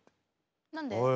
何で？